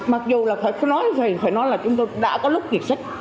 mặc dù là phải nói gì phải nói là chúng tôi đã có lúc kiệt sức